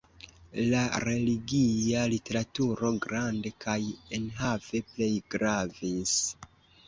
La religia literaturo grande kaj enhave plej gravis.